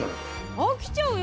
飽きちゃうよ